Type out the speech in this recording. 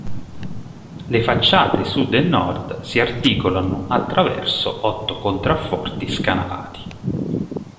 Le facciate sud e nord si articolano attraverso otto contrafforti scanalati.